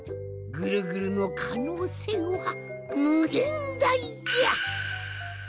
ぐるぐるのかのうせいはむげんだいじゃ！